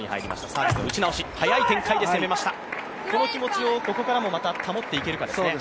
この気持ちをここからも保っていけるかですね。